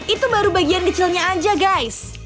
itu baru bagian kecilnya aja guys